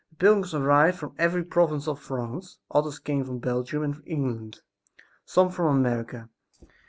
The pilgrims arrived from every province of France; others came from Belgium and England; some from America.